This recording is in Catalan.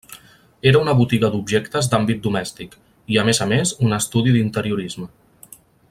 Era una botiga d'objectes d'àmbit domèstic, i a més a més un estudi d'interiorisme.